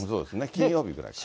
金曜日ぐらいから。